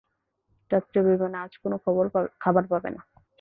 যাত্রীরা বিমানে আজ কোনো খাবার পাবে না।